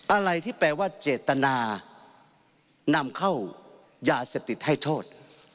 อะไรที่แปลว่าเจตนานำเข้ายาเสพติดให้โทษ